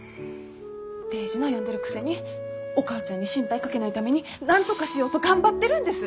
デージ悩んでるくせにお母ちゃんに心配かけないためになんとかしようと頑張ってるんです。